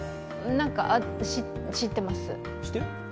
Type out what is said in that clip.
なんか、知ってます。